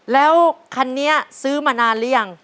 แล้วคันนี้ซื้อมานานหรือยัง